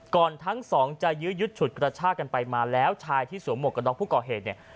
ก่อนทั้งสองจะยืดชุดกระชากันไปมาแล้วชายที่สวมหมวกกับพู่ก่อเหตุเนี้ย